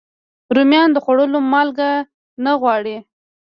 رومیان د خوړو مالګه نه غواړي